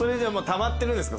たまってるんですか？